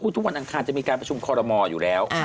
ทุกวันอังคารจะมีการประชุมคอรมอลอยู่แล้ว